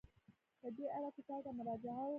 په دې اړه کتاب ته مراجعه وکړئ.